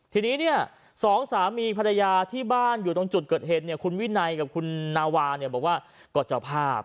ทีนี้เนี่ยสองสามีภรรยาที่บ้านอยู่ตรงจุดเกิดเหตุเนี่ยคุณวินัยกับคุณนาวาเนี่ยบอกว่าก็เจ้าภาพ